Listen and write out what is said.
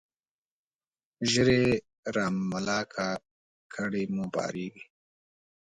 ژر يې را ملا که ، کډي مو بارېږي.